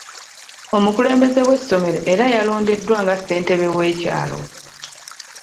Omukulembeze w'essomero era yalondeddwa nga ssentebe w'ekyalo.